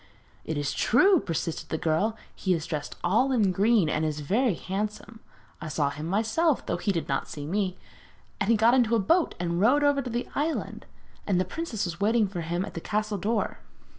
'It is true,' persisted the girl. 'He is dressed all in green, and is very handsome. I saw him myself, though he did not see me, and he got into a boat and rowed over to the island, and the princess was waiting for him at the castle door.'